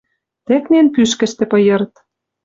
Тӹкнен пӱшкӹштӹ пыйырт —